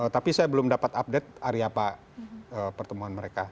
tapi saya belum dapat update hari apa pertemuan mereka